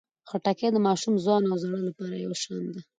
خټکی د ماشوم، ځوان او زاړه لپاره یو شان ده.